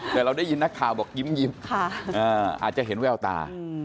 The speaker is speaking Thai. แต่เราได้ยินนักข่าวบอกยิ้มอาจจะเห็นแววตา